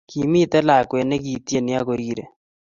Kimiten lakwet nekitieni ako rire